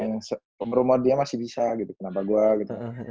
yang rumor dia masih bisa gitu kenapa gue gitu